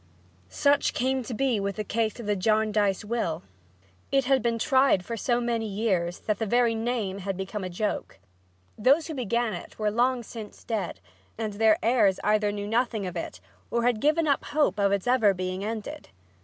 Such came to be the case with the Jarndyce will. It had been tried for so many years that the very name had become a joke. Those who began it were long since dead and their heirs either knew nothing of it or had given up hope of its ever being ended.